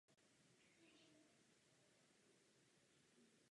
Larvy často parazitují uvnitř.